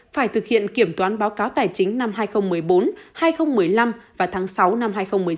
phải thực hiện kiểm toán báo cáo tài chính năm hai nghìn một mươi bốn hai nghìn một mươi năm và tháng sáu năm hai nghìn một mươi sáu